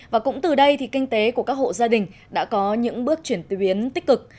và cũng từ đây thì kinh tế của các hộ gia đình đã có những bước chuyển tuyến tích cực